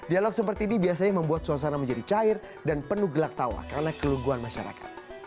dialog seperti ini biasanya membuat suasana menjadi cair dan penuh gelak tawa karena kelungguan masyarakat